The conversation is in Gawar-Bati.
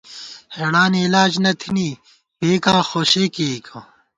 ہېڑانی علاج نہ تھنی، پئېکا خو شے کېئیکہ